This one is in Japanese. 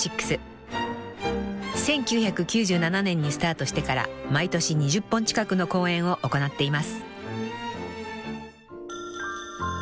［１９９７年にスタートしてから毎年２０本近くの公演を行っています］